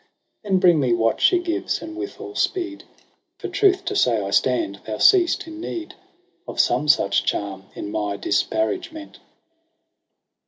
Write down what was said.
Then bring me what she gives, and with all speed j For truth to say I stand, thou seest, in need Of some such charm in my disparagement.